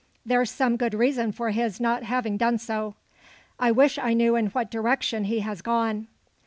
"There's some good reason for his not having done so." "I wish I knew in what direction he has gone."